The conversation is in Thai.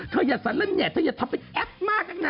เธอย่าสาเหนิดแหงเธอย่าทำเป็นแอฟมากนะ